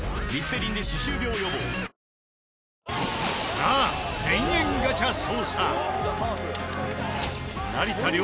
さあ１０００円ガチャ捜査。